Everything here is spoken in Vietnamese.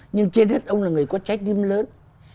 nhưng trên đất ông là người có trách tim lớn